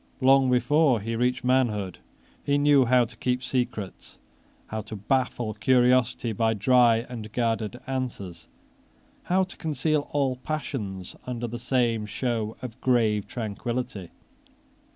Long before he reached manhood he knew how to keep secrets, how to baffle curiosity by dry and guarded answers, how to conceal all passions under the same show of grave tranquillity.